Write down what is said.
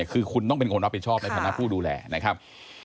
คือคุณต้องเป็นคนรับผิดชอบในฐานะผู้ดูแลนะครับ